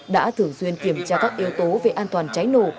đã thường xuyên kiểm tra các yếu tố về an toàn cháy nổ